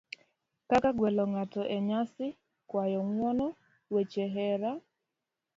kaka gwelo ng'ato e nyasi, kuayo ng'uono, weche hera,